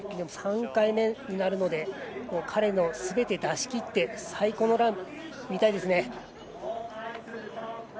３回目になるので彼のすべて、出しきって最高のラン見たいですね。